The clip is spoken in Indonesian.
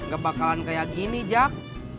gak bakalan kayak gini jak